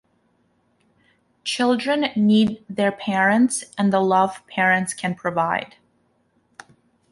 Children need their parents and the love parents can provide.